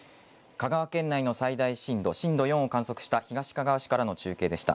香川県内の最大震度、震度４を観測した東かがわ市からの中継でした。